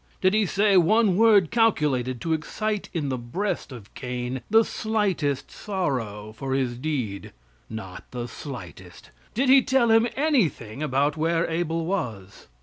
Did He say one word calculated to excite in the breast of Cain the slightest real sorrow for his deed? Not the slightest. Did He tell him anything about where Abel was?